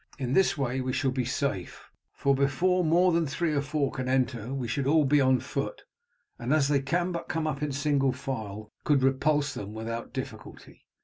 In this way we shall be safe; for before more than three or four can enter we should be all on foot, and as they can but come up in single file, could repulse them without difficulty.